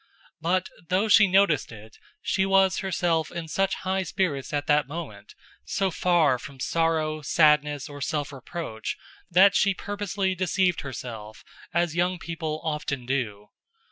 But, though she noticed it, she was herself in such high spirits at that moment, so far from sorrow, sadness, or self reproach, that she purposely deceived herself as young people often do.